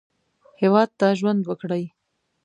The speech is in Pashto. هېواد ته ژوند وکړئ